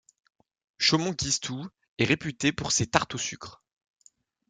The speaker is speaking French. Chaumont-Gistoux est réputée pour ses tartes au sucre.